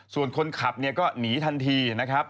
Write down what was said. ส่วนคนขับเนี่ยก็หนีทันทีนะครับ